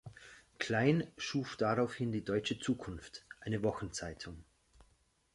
Klein schuf daraufhin die "Deutsche Zukunft", eine Wochenzeitung.